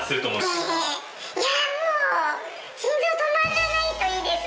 いやーもう。